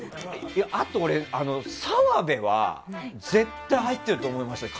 あと、俺、澤部は絶対入ってると思いますよ